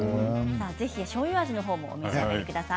ぜひ、しょうゆ味もお召し上がりください。